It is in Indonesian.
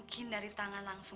bu makan dulu bu